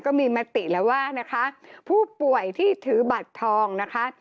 มติแล้วว่านะคะผู้ป่วยที่ถือบัตรทองนะคะ